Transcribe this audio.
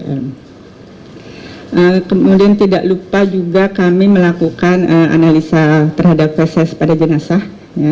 kemudian tidak lupa juga kami melakukan analisa terhadap reses pada jenazah